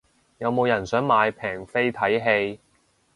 有冇人想買平飛睇戲